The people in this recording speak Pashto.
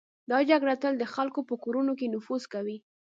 دا جګړه تل د خلکو په کورونو کې نفوذ کوي.